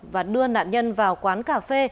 và đưa nạn nhân vào quán cà phê